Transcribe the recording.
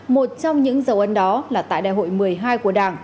một trong những dấu ấn đó là tại đại hội một mươi hai của đảng